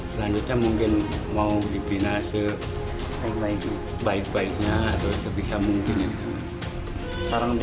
selanjutnya mungkin mau dibina sebaik baiknya atau sebisa mungkin ya